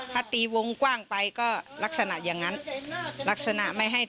ถ้าตีวงกว้างไปก็ลักษณะอย่างนั้น